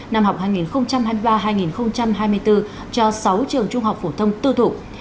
năm học hai nghìn hai mươi ba hai nghìn hai mươi bốn cho sáu trường trung học phổ thông tư thục